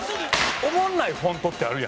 おもんないフォントってあるやん。